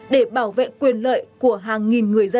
để bảo vệ quyền lợi của hàng nghìn người dân